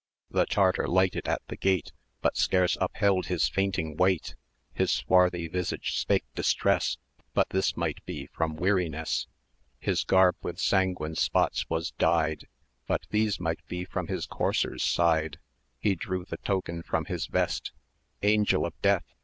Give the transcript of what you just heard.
The Tartar lighted at the gate, But scarce upheld his fainting weight![dt] 710 His swarthy visage spake distress, But this might be from weariness; His garb with sanguine spots was dyed, But these might be from his courser's side; He drew the token from his vest Angel of Death!